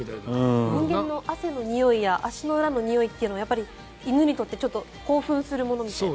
人間の汗のにおいや足の裏の臭いっていうのはやっぱり犬にとって興奮するものみたいです。